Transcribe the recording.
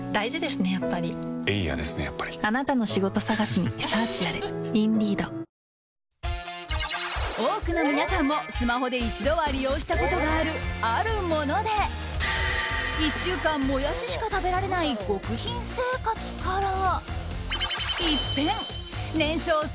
スマホでよく目にするあるもので多くの皆さんも、スマホで一度は利用したことのあるあるもので１週間モヤシしか食べられない極貧生活から一変年商